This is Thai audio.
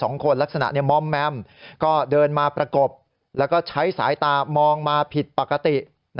มองแมมที่กำลังมาปรากบและถึงใช้สายตามองพลิกปรากติ